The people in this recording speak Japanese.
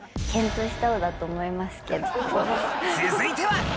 続いては。